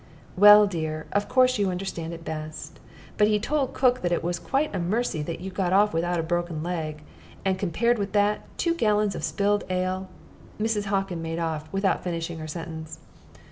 "Well, dear, of course you understand it best. But he told cook that it was quite a mercy that you got off without a broken leg; and compared with that, two gallons of spilled ale " Mrs. Hockin made off, without finishing her sentence.